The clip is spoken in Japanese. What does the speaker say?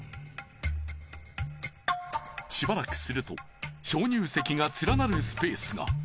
しばらくすると鍾乳石が連なるスペースが。